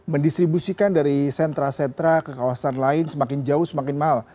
terus mendistribusikan dari sentra sentra ke kawasan lain semakin jauh semakin mahal